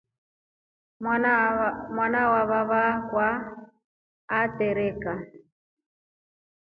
Mwana wamavava akwa atreka.